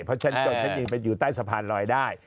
เพราะฉันจนอยู่ใต้สะพานลอยได้